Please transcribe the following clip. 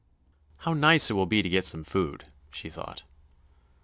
"How nice it will be to get some food," she thought.